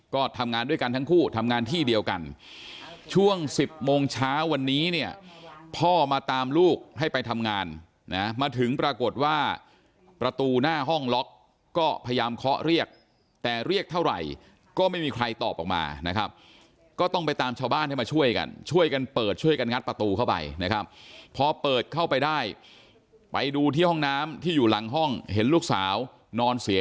ก็ทำงานด้วยกันทั้งคู่ทำงานที่เดียวกันช่วงสิบโมงเช้าวันนี้เนี่ยพ่อมาตามลูกให้ไปทำงานนะมาถึงปรากฏว่าประตูหน้าห้องล็อกก็พยายามเคาะเรียกแต่เรียกเท่าไหร่ก็ไม่มีใครตอบออกมานะครับก็ต้องไปตามชาวบ้านให้มาช่วยกันช่วยกันเปิดช่วยกันงัดประตูเข้าไปนะครับพอเปิดเข้าไปได้ไปดูที่ห้องน้ำที่อยู่หลังห้องเห็นลูกสาวนอนเสีย